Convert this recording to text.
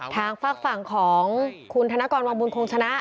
ทางฝากฝั่งของคุณธนกรวังบุญคงชนะ